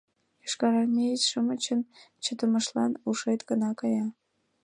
Йошкарармеец-шамычын чытымыштлан ушет гына кая.